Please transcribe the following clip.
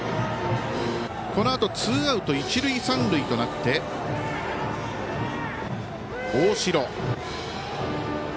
このあとツーアウト、一塁三塁となって大城。